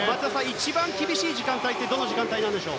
一番厳しい時間帯はどのくらいなんでしょう？